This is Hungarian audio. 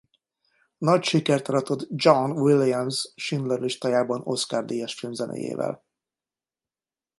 Nagy sikert aratott John Williams Schindler listájában Oscar-díjas filmzenéjével.